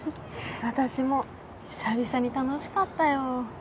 私も久々に楽しかったよ。